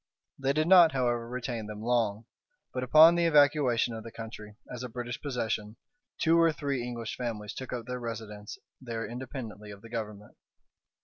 They did not, however, retain them long; but, upon the evacuation of the country as a British possession, two or three English families took up their residence there independently of the Government.